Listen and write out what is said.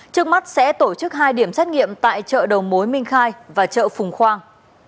trước mắt sẽ tổ chức hai điểm xét nghiệm tại chợ đầu mối minh khai và chợ phùng khoang